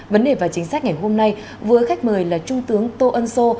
vấn đề và chính sách ngày hôm nay với khách mời là trung tướng tô ân sô